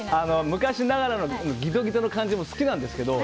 昔ながらのギトギトの感じも好きなんですけど